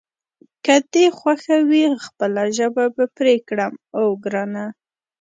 که دې خوښه وي خپله ژبه به پرې کړم، اوه ګرانه.